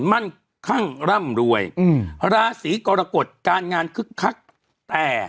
มั่นคั่งร่ำรวยอืมราศีกรกฎการงานคึกคักแต่